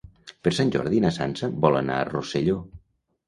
Per Sant Jordi na Sança vol anar a Rosselló.